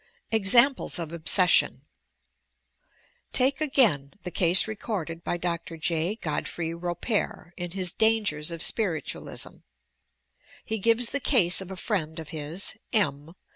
EZAMPL.ES OP OBSESSION Take, again, the case recorded by Dr. J, Godfrey Raupert in his "Dangers of Spiritualism." He gives the case of a friend of his, M.